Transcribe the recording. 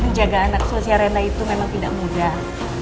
menjaga anak sosial rena itu memang tidak mudah